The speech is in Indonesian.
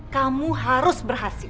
kamu harus berhasil